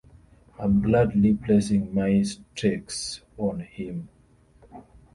I'm gladly placing my stakes on him.